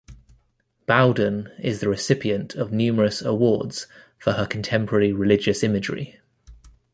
Bowden is the recipient of numerous awards for her contemporary religious imagery.